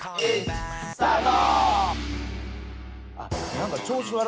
スタート！